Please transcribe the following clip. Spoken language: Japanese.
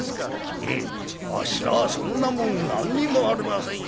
『ええあっしはそんなもん何にもありませんよ』